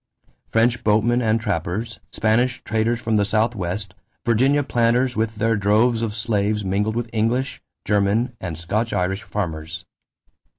French boatmen and trappers, Spanish traders from the Southwest, Virginia planters with their droves of slaves mingled with English, German, and Scotch Irish farmers.